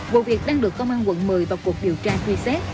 vụ việc đang được công an quận một mươi vào cuộc điều tra truy xét